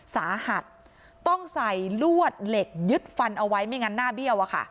สาหัสต้องใส่ลวดเหล็กยึดฟันเอาไว้ไม่งั้นหน้าเบี้ยว